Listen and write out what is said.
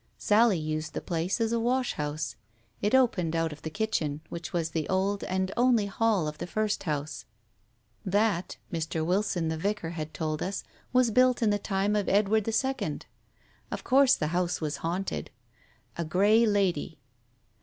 Sally used the place as a wash house; it opened out of her kitchen, which was the old and only hall of the first house. That, Mr. Wilson the vicar had told us, was built in the time of Edward II. Of course the house was haunted. ^ A grey lady.